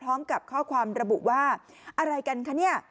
พร้อมกับข้อความระบุว่าอะไรกันคะเนี่ย